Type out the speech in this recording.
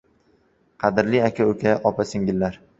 Qadrli aka-ukalar, opa-singillar!